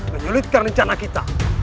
menyulitkan rencana kita